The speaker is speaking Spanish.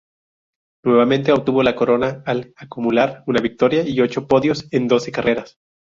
Nuevamente obtuvo la corona, al acumular una victoria y ocho podios en doce carreras.